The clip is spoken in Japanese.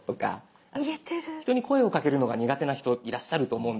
人に声をかけるのが苦手な人いらっしゃると思うんです。